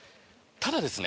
ただですね